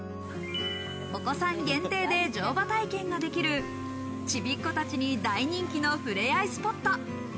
お子さん限定で乗馬体験ができる、ちびっこたちに大人気の触れ合いスポット。